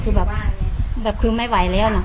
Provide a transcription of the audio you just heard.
คือแบบคือไม่ไหวแล้วนะ